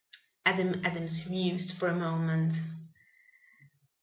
Adam Adams mused for a moment.